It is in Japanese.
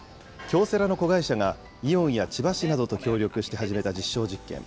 京セラの子会社が、イオンや千葉市などと協力して始めた実証実験。